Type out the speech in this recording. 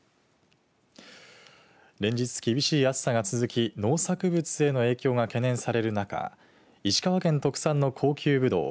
連日厳しい暑さが続き農作物への影響が懸念される中石川県特産の高級ぶどう